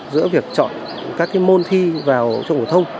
giữa việc chọn các môn thi vào trong phổ thông